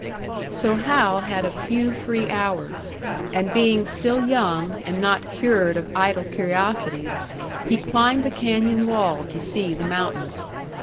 So Hal had a few free hours; and being still young and not cured of idle curiosities, he climbed the canyon wall to see the mountains.